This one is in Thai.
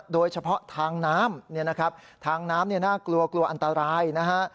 โดยเฉพาะทางน้ำเนี่ยนะครับทางน้ำน่ากลัวกลัวอันตรายนะฮะ